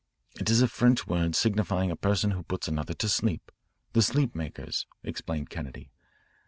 "It is a French word signifying a person who puts another to sleep, the sleep makers," explained Kennedy.